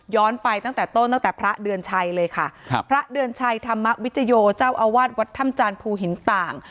ไปตั้งแต่ต้นตั้งแต่พระเดือนชัยเลยค่ะครับพระเดือนชัยธรรมวิจโยเจ้าอาวาสวัดถ้ำจานภูหินต่าง